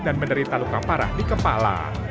dan menderita luka parah di kepala